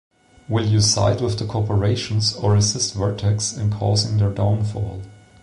Will you side with the Corporations, or assist Vertex in causing their downfall?